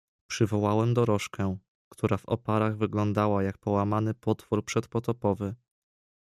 "Przywołałem dorożkę, która w oparach wyglądała jak połamany potwór przedpotopowy."